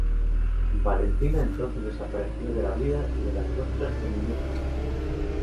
Valentina entonces desapareció de la vida y de las muestras de Minujín.